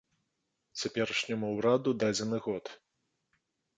Цяперашняму ўраду дадзены год.